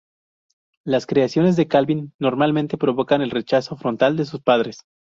Las creaciones de Calvin normalmente provocan el rechazo frontal de sus padres.